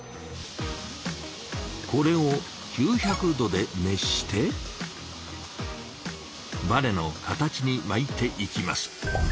これを９００℃で熱してバネの形に巻いていきます。